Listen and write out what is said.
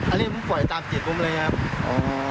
อันนี้ผมปล่อยตามจิตผมเลยครับ